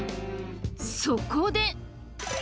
そこで！